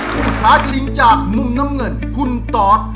ผู้ท้าชิงจากมุมน้ำเงินคุณตอด